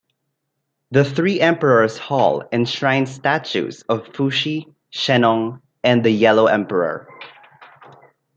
The Three Emperors Hall enshrines statues of Fuxi, Shennong, and the Yellow Emperor.